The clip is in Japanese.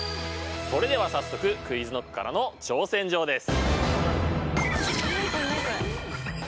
それでは早速ＱｕｉｚＫｎｏｃｋからの挑戦状です。